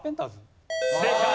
正解。